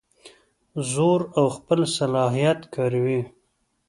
زور او خپل صلاحیت کاروي.